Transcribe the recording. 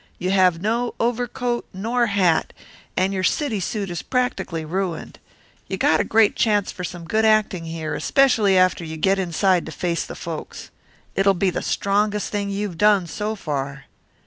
You have no overcoat nor hat, and your city suit is practically ruined. You got a great chance for some good acting here, especially after you get inside to face the folks. It'll be the strongest thing you've done, so far."